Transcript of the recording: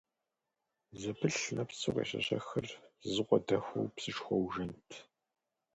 Зэпылъ нэпсу къещэщэхыр зы къуэ дэхуэу псышхуэу жэнт.